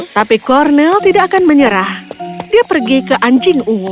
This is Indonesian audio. tapi cornel tidak akan menyerah dia pergi ke anjing ungu